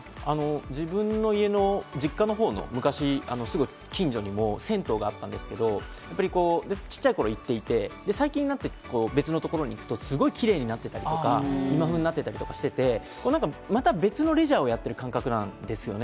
自分の実家の方の近所にも銭湯があったんですけど、ちっちゃい頃に行っていて、最近別のところに行くとすごいキレイになっていたりとか、今風になってたりして、また別のレジャーをやっている感覚なんですよね。